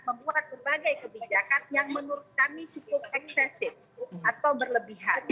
membuat berbagai kebijakan yang menurut kami cukup eksesif atau berlebihan